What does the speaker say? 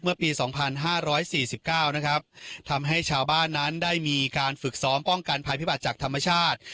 เมื่อปีสองพันห้าร้อยสี่สิบเก้านะครับทำให้ชาวบ้านนั้นได้มีการฝึกซ้อมป้องกันภายพิบัติจากธรรมชาติ